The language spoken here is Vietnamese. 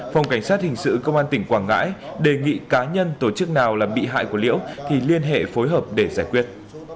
phòng cảnh sát hình sự công an tỉnh quảng ngãi đề nghị cá nhân tổ chức nào là bị hại của liễu thì liên hệ phối hợp để giải quyết